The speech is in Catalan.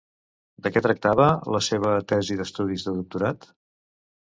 De què tractava la seva tesi d'estudis de doctorat?